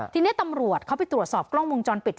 ทีนี้ตำรวจเขาไปตรวจสอบกล้องวงจรปิด